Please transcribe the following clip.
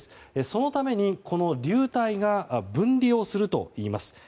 そのために流体が分離をするといいます。